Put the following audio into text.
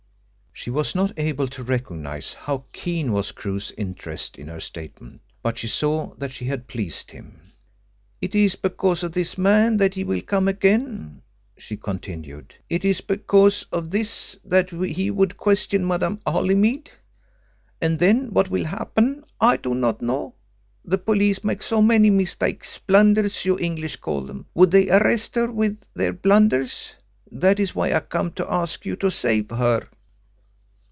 She was not able to recognise how keen was Crewe's interest in her statement, but she saw that she had pleased him. "It is because of this that he will come again," she continued. "It is because of this that he would question Madame Holymead. And then what will happen? I do not know. The police make so many mistakes blunders you English call them. Would they arrest her with their blunders? That is why I come to you to ask you to save her."